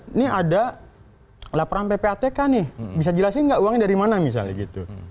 ini ada laporan ppatk nih bisa jelasin nggak uangnya dari mana misalnya gitu